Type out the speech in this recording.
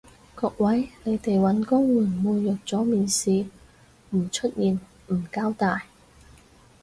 各位，你哋搵工會唔會約咗面試唔出現唔交代？